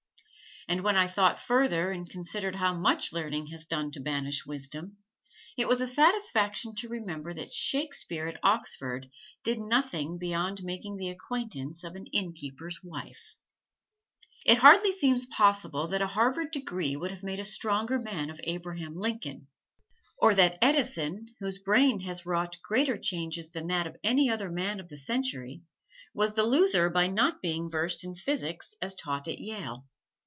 And when I thought further and considered how much learning has done to banish wisdom, it was a satisfaction to remember that Shakespeare at Oxford did nothing beyond making the acquaintance of an inn keeper's wife. It hardly seems possible that a Harvard degree would have made a stronger man of Abraham Lincoln; or that Edison, whose brain has wrought greater changes than that of any other man of the century, was the loser by not being versed in physics as taught at Yale.